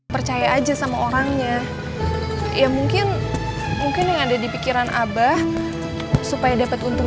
percaya aja sama orangnya ya mungkin mungkin yang ada di pikiran abah supaya dapat untung